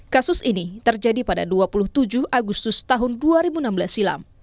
kasus ini terjadi pada dua puluh tujuh agustus tahun dua ribu enam belas silam